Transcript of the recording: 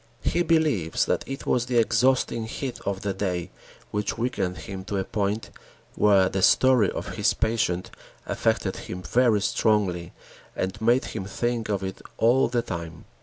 He believes that it was the exhausting heat of the day which weakened him to a point where the story of his patient affected him very strongly and made him think of it all the time.